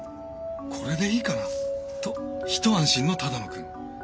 「これでいいかな？」と一安心の只野くん。